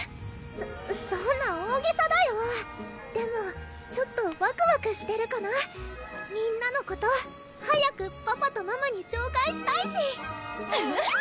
そそんな大袈裟だよでもちょっとわくわくしてるかなみんなのこと早くパパとママに紹介したいしうんえるぅ！